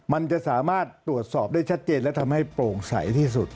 มันจะสามารถตรวจสอบได้ชัดเจนและทำให้โปร่งใสที่สุด